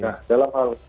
nah dalam hal